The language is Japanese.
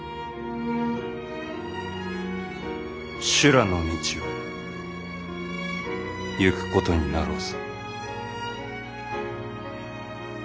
修羅の道をゆくことになろうぞ。